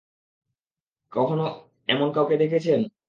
কখনো এমন কাউকে দেখেছেন?